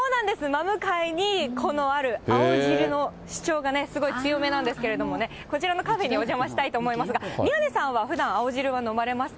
真向かいに、このある青汁の主張がすごい強めなんですけどね、こちらのカフェにお邪魔したいと思いますが、宮根さんはふだん、青汁は飲まれますか？